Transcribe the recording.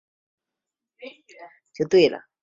新闻图式是新闻话语分析中的一个范畴。